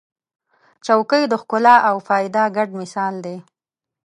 چوکۍ د ښکلا او فایده ګډ مثال دی.